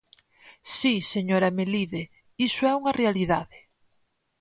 Si, señora Melide, iso é unha realidade.